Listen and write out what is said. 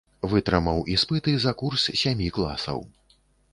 Вытрымаў іспыты за курс сямі класаў.